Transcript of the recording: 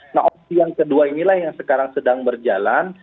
nah opsi yang kedua inilah yang sekarang sedang berjalan